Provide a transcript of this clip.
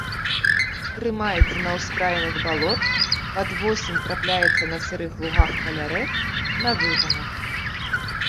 Трымаецца на ўскраінах балот, пад восень трапляецца на сырых лугах каля рэк, на выганах.